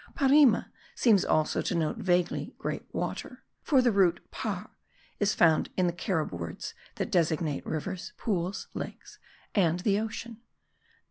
Parima seems also to denote vaguely great water; for the root par is found in the Carib words that designate rivers, pools, lakes, and the ocean.